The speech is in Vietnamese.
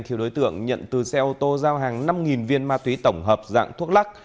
thì đối tượng nhận từ xe ô tô giao hàng năm viên ma túy tổng hợp dạng thuốc lắc